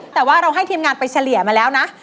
แต่ว่าเราให้ทีมงานไปเฉลี่ยมาแล้วนะ